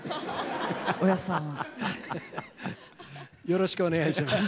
よろしくお願いします。